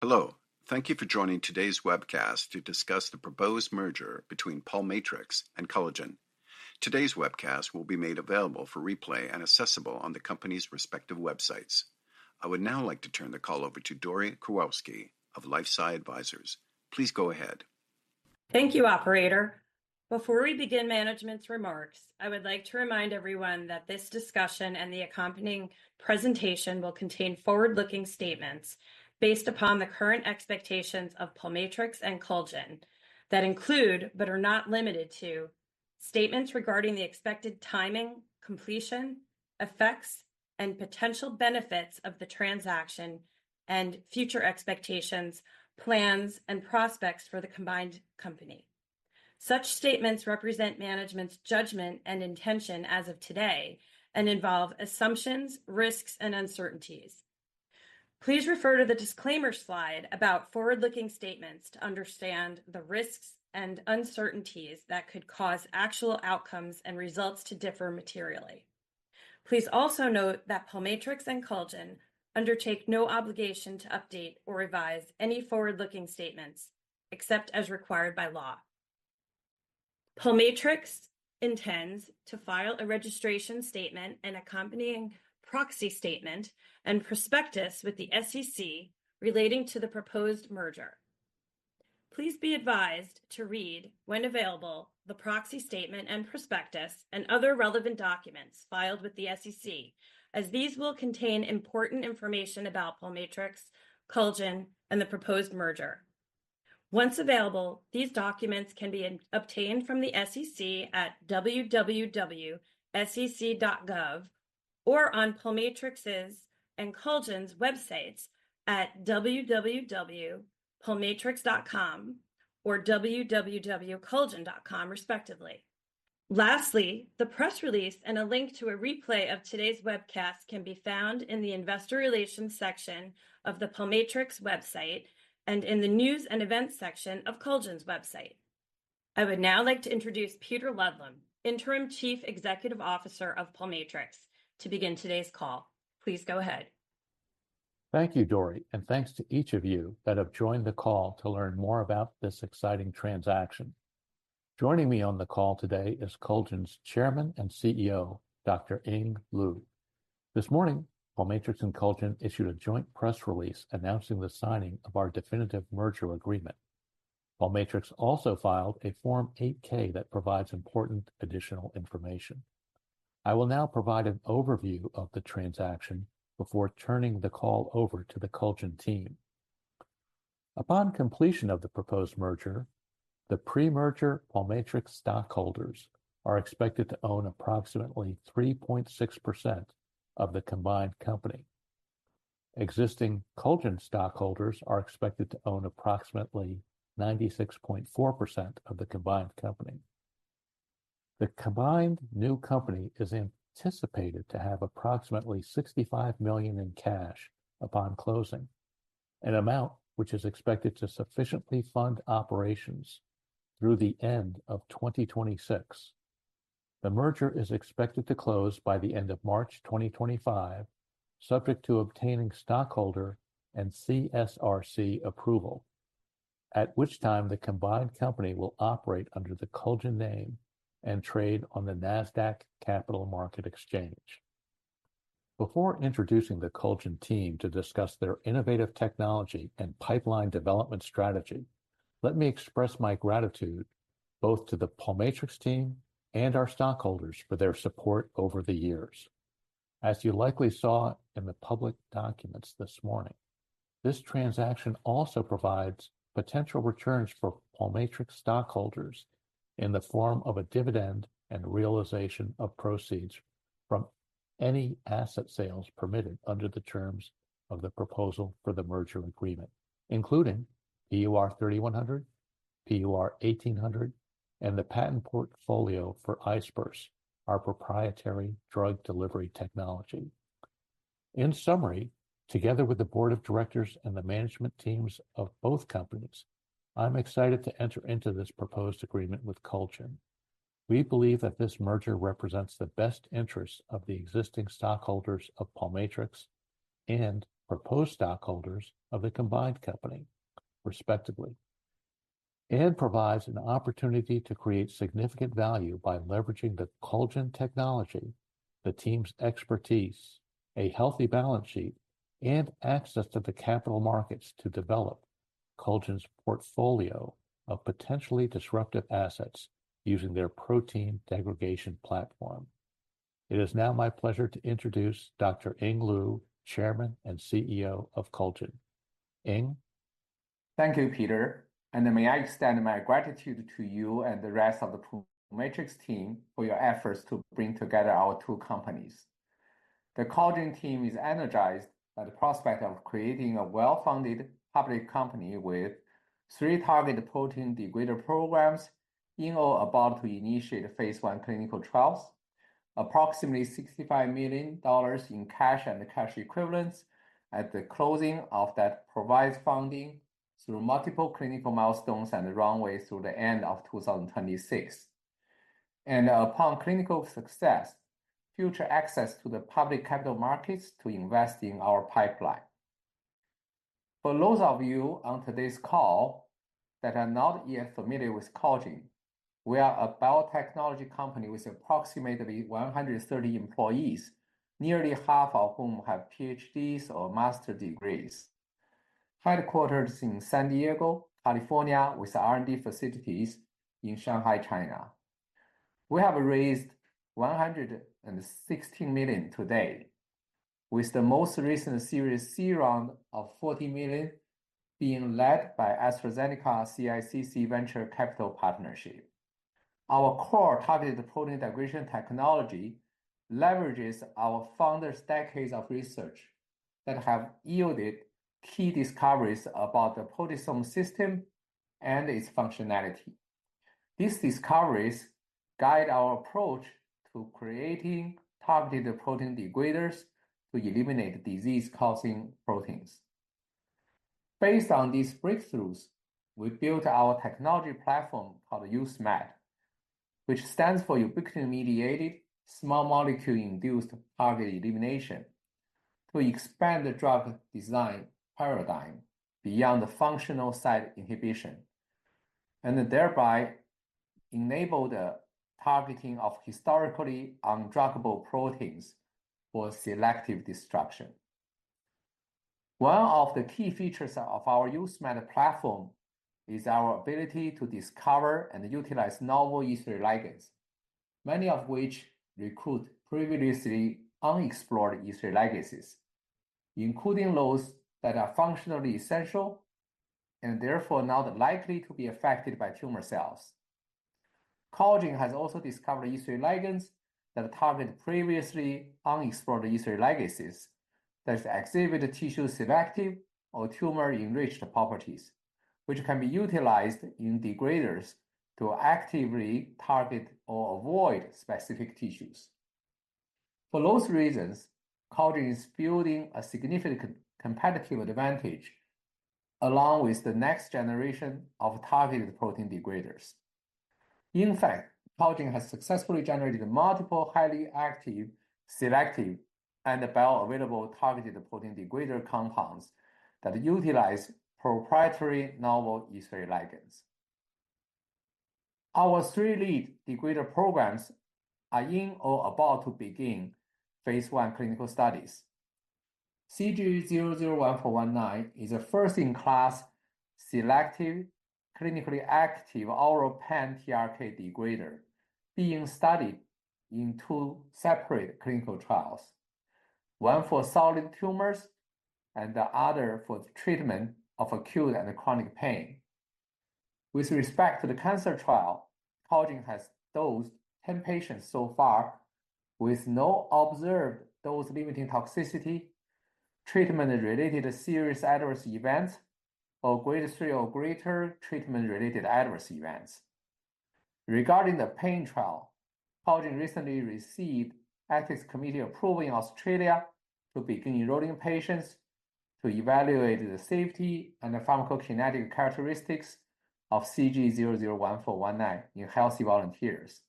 Hello, thank you for joining today's webcast to discuss the proposed merger between Pulmatrix and Cullgen. Today's webcast will be made available for replay and accessible on the company's respective websites. I would now like to turn the call over to Dory Kowalski of LifeSci Advisors. Please go ahead. Thank you, Operator. Before we begin management's remarks, I would like to remind everyone that this discussion and the accompanying presentation will contain forward-looking statements based upon the current expectations of Pulmatrix and Cullgen that include, but are not limited to, statements regarding the expected timing, completion, effects, and potential benefits of the transaction, and future expectations, plans, and prospects for the combined company. Such statements represent management's judgment and intention as of today and involve assumptions, risks, and uncertainties. Please refer to the disclaimer slide about forward-looking statements to understand the risks and uncertainties that could cause actual outcomes and results to differ materially. Please also note that Pulmatrix and Cullgen undertake no obligation to update or revise any forward-looking statements except as required by law. Pulmatrix intends to file a registration statement and accompanying proxy statement and prospectus with the SEC relating to the proposed merger. Please be advised to read, when available, the proxy statement and prospectus and other relevant documents filed with the SEC, as these will contain important information about Pulmatrix, Cullgen, and the proposed merger. Once available, these documents can be obtained from the SEC at www.sec.gov or on Pulmatrix's and Cullgen's websites at www.pulmatrix.com or www.cullgen.com, respectively. Lastly, the press release and a link to a replay of today's webcast can be found in the Investor Relations section of the Pulmatrix website and in the News and Events section of Cullgen's website. I would now like to introduce Peter Ludlum, Interim Chief Executive Officer of Pulmatrix, to begin today's call. Please go ahead. Thank you, Dory, and thanks to each of you that have joined the call to learn more about this exciting transaction. Joining me on the call today is Cullgen's Chairman and CEO, Dr. Ying Luo. This morning, Pulmatrix and Cullgen issued a joint press release announcing the signing of our definitive merger agreement. Pulmatrix also filed a Form 8-K that provides important additional information. I will now provide an overview of the transaction before turning the call over to the Cullgen team. Upon completion of the proposed merger, the pre-merger Pulmatrix stockholders are expected to own approximately 3.6% of the combined company. Existing Cullgen stockholders are expected to own approximately 96.4% of the combined company. The combined new company is anticipated to have approximately $65 million in cash upon closing, an amount which is expected to sufficiently fund operations through the end of 2026. The merger is expected to close by the end of March 2025, subject to obtaining stockholder and CSRC approval, at which time the combined company will operate under the Cullgen name and trade on the Nasdaq Capital Market. Before introducing the Cullgen team to discuss their innovative technology and pipeline development strategy, let me express my gratitude both to the Pulmatrix team and our stockholders for their support over the years. As you likely saw in the public documents this morning, this transaction also provides potential returns for Pulmatrix stockholders in the form of a dividend and realization of proceeds from any asset sales permitted under the terms of the proposal for the merger agreement, including PUR 3100, PUR 1800, and the patent portfolio for iSPERSE, our proprietary drug delivery technology. In summary, together with the board of directors and the management teams of both companies, I'm excited to enter into this proposed agreement with Cullgen. We believe that this merger represents the best interests of the existing stockholders of Pulmatrix and proposed stockholders of the combined company, respectively, and provides an opportunity to create significant value by leveraging the Cullgen technology, the team's expertise, a healthy balance sheet, and access to the capital markets to develop Cullgen's portfolio of potentially disruptive assets using their protein degradation platform. It is now my pleasure to introduce Dr. Ying Luo, Chairman and CEO of Cullgen. Ying. Thank you, Peter. And may I extend my gratitude to you and the rest of the Pulmatrix team for your efforts to bring together our two companies. The Cullgen team is energized by the prospect of creating a well-funded public company with three targeted protein degrader programs in or about to initiate phase 1 clinical trials, approximately $65 million in cash and cash equivalents at the closing, that provides funding through multiple clinical milestones and the runway through the end of 2026, and upon clinical success, future access to the public capital markets to invest in our pipeline. For those of you on today's call that are not yet familiar with Cullgen, we are a biotechnology company with approximately 130 employees, nearly half of whom have PhDs or master's degrees, headquartered in San Diego, California, with R&D facilities in Shanghai, China. We have raised $116 million today, with the most recent series C round of $40 million being led by AstraZeneca-CICC Venture Capital Partnership. Our core targeted protein degradation technology leverages our founders' decades of research that have yielded key discoveries about the proteasome system and its functionality. These discoveries guide our approach to creating targeted protein degraders to eliminate disease-causing proteins. Based on these breakthroughs, we built our technology platform called uSMITE, which stands for Ubiquitin-Mediated, Small Molecule-Induced Target Elimination, to expand the drug design paradigm beyond the functional site inhibition and thereby enable the targeting of historically undruggable proteins for selective destruction. One of the key features of our uSMITE platform is our ability to discover and utilize novel E3 ligands, many of which recruit previously unexplored E3 ligands, including those that are functionally essential and therefore not likely to be affected by tumor cells. Cullgen has also discovered E3 ligands that target previously unexplored E3 ligands that exhibit tissue-selective or tumor-enriched properties, which can be utilized in degraders to actively target or avoid specific tissues. For those reasons, Cullgen is building a significant competitive advantage along with the next generation of targeted protein degraders. In fact, Cullgen has successfully generated multiple highly active selective and bioavailable targeted protein degrader compounds that utilize proprietary novel E3 ligands. Our three lead degrader programs are in or about to begin phase 1 clinical studies. CG001419 is a first-in-class selective clinically active oral pan-TRK degrader, being studied in two separate clinical trials, one for solid tumors and the other for the treatment of acute and chronic pain. With respect to the cancer trial, Cullgen has dosed 10 patients so far with no observed dose-limiting toxicity, treatment-related serious adverse events, or grade 3 or greater treatment-related adverse events. Regarding the pain trial, Cullgen recently received ethics committee approval in Australia to begin enrolling patients to evaluate the safety and the pharmacokinetic characteristics of CG001419 in healthy volunteers.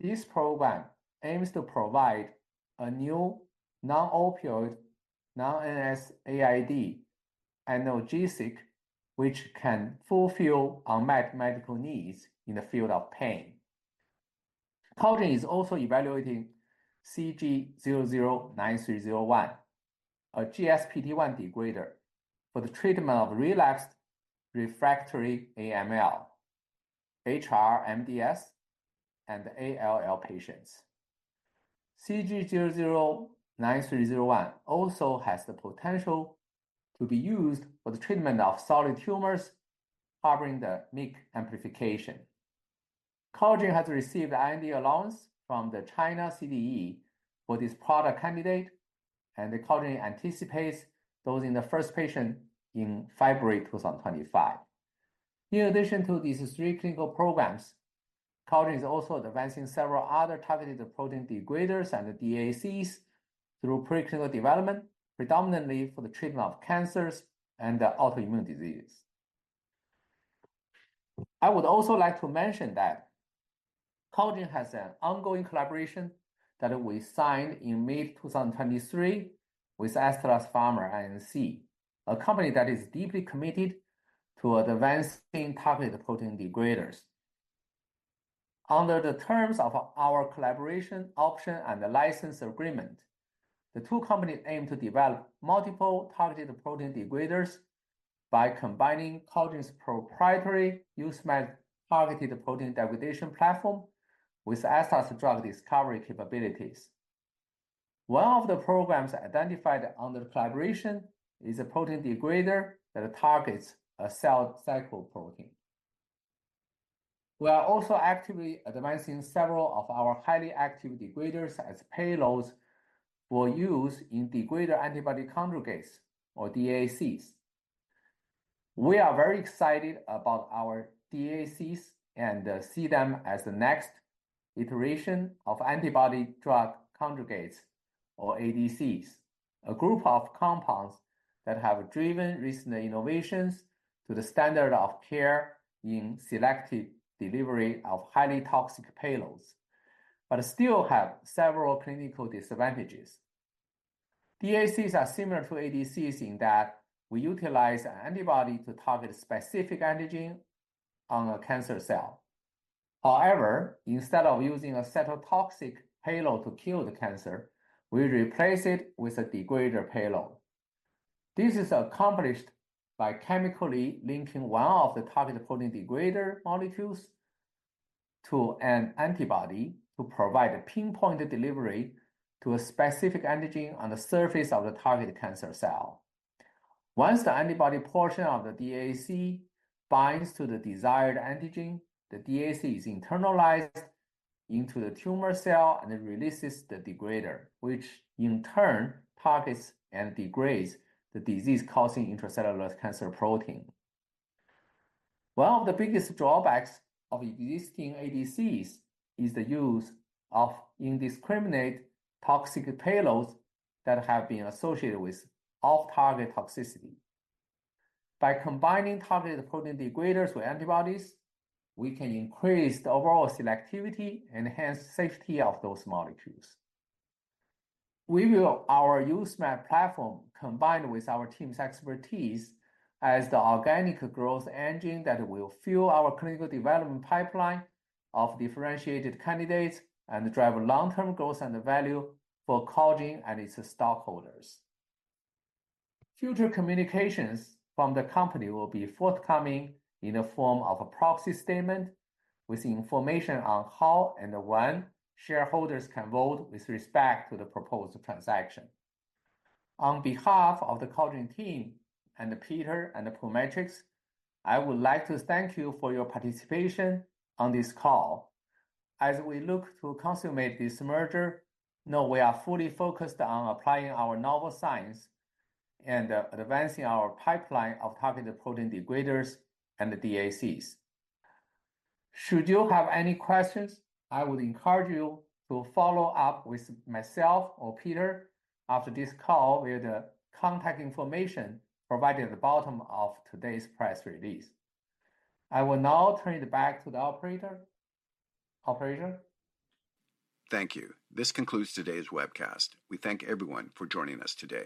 This program aims to provide a new non-opioid, non-NSAID analgesic which can fulfill unmet medical needs in the field of pain. Cullgen is also evaluating CG009301, a GSPT-1 degrader for the treatment of relapsed refractory AML, HR-MDS, and ALL patients. CG009301 also has the potential to be used for the treatment of solid tumors harboring the MYC amplification. Cullgen has received IND allowance from the China CDE for this product candidate, and Cullgen anticipates dosing the first patient in February 2025. In addition to these three clinical programs, Cullgen is also advancing several other targeted protein degraders and DACs through preclinical development, predominantly for the treatment of cancers and autoimmune diseases. I would also like to mention that Cullgen has an ongoing collaboration that we signed in mid-2023 with Astellas Pharma Inc., a company that is deeply committed to advancing targeted protein degraders. Under the terms of our collaboration option and the license agreement, the two companies aim to develop multiple targeted protein degraders by combining Cullgen's proprietary uSMITE targeted protein degradation platform with Astellas drug discovery capabilities. One of the programs identified under the collaboration is a protein degrader that targets a cell cycle protein. We are also actively advancing several of our highly active degraders as payloads for use in degrader antibody conjugates, or DACs. We are very excited about our DACs and see them as the next iteration of antibody drug conjugates, or ADCs, a group of compounds that have driven recent innovations to the standard of care in selective delivery of highly toxic payloads, but still have several clinical disadvantages. DACs are similar to ADCs in that we utilize an antibody to target a specific antigen on a cancer cell. However, instead of using a cytotoxic payload to kill the cancer, we replace it with a degrader payload. This is accomplished by chemically linking one of the targeted protein degrader molecules to an antibody to provide a pinpoint delivery to a specific antigen on the surface of the targeted cancer cell. Once the antibody portion of the DAC binds to the desired antigen, the DAC is internalized into the tumor cell and releases the degrader, which in turn targets and degrades the disease-causing intracellular cancer protein. One of the biggest drawbacks of existing ADCs is the use of indiscriminate toxic payloads that have been associated with off-target toxicity. By combining targeted protein degraders with antibodies, we can increase the overall selectivity and enhance the safety of those molecules. We view our uSMITE platform combined with our team's expertise as the organic growth engine that will fuel our clinical development pipeline of differentiated candidates and drive long-term growth and value for Cullgen and its stockholders. Future communications from the company will be forthcoming in the form of a proxy statement with information on how and when shareholders can vote with respect to the proposed transaction. On behalf of the Cullgen team and Peter and Pulmatrix, I would like to thank you for your participation on this call. As we look to consummate this merger, we are fully focused on applying our novel science and advancing our pipeline of targeted protein degraders and DACs. Should you have any questions, I would encourage you to follow up with myself or Peter after this call with the contact information provided at the bottom of today's press release. I will now turn it back to the operator. Thank you. This concludes today's webcast. We thank everyone for joining us today.